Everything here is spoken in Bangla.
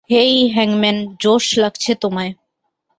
হেই, হ্যাংম্যান, জোশ লাগছে তোমায়।